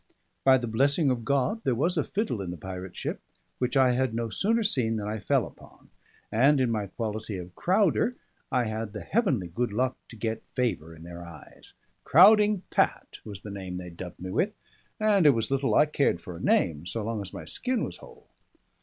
By the blessing of God, there was a fiddle in the pirate ship, which I had no sooner seen than I fell upon; and in my quality of crowder I had the heavenly good luck to get favour in their eyes. "Crowding Pat" was the name they dubbed me with: and it was little I cared for a name so long as my skin was whole.